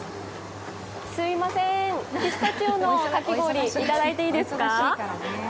すみません、ピスタチオのかき氷、いただいていいですか？